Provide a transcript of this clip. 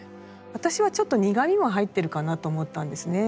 私はちょっと苦みも入ってるかなと思ったんですね。